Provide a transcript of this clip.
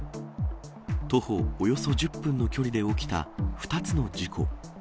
徒歩およそ１０分の距離で起きた２つの事故。